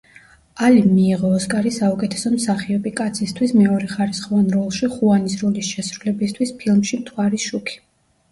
ალიმ მიიღო ოსკარი საუკეთესო მსახიობი კაცისთვის მეორეხარისხოვან როლში ხუანის როლის შესრულებისთვის ფილმში „მთვარის შუქი“.